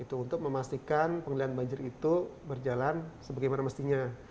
untuk memastikan pengendalian banjir itu berjalan sebagaimana mestinya